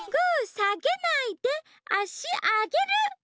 さげないであしあげる！